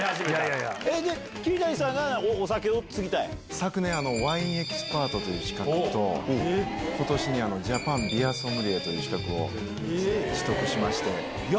昨年ワインエキスパートという資格と今年ジャパンビアソムリエという資格を取得しまして。